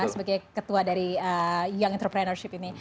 sebagai ketua dari young entrepreneurship ini